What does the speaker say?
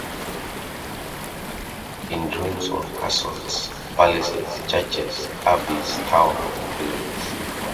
In ruins were castles, palaces, churches, abbeys, towns and villages.